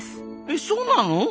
えそうなの？